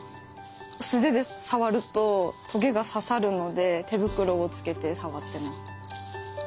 素手で触るとトゲが刺さるので手袋をつけて触ってます。